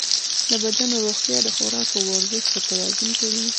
د بدن روغتیا د خوراک او ورزش په توازن کې ده.